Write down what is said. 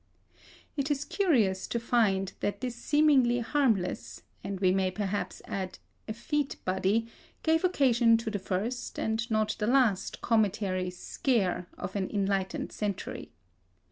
It is curious to find that this seemingly harmless, and we may perhaps add effete body, gave occasion to the first (and not the last) cometary "scare" of an enlightened century.